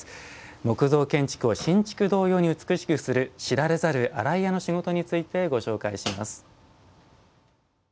木造建築を新築同様に美しくする知られざる洗い屋の仕事についてご紹介します。